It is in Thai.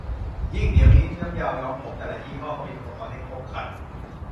ยิ่งเดี๋ยวนี้น้ำยาย้อมผมแต่ละยี่ห้อก็มีอุปกรณ์ให้ครบครัน